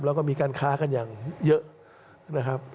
แล้วก็มีการค้ากันอย่างเยอะ